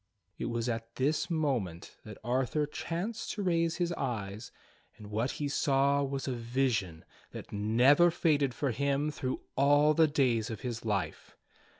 It was at this moment that Arthur chanced to raise his eyes, and what he saw was a vision that never faded for him through all the days of his life.